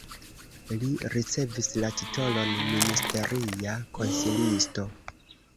Li ricevis la titolon ministeria konsilisto.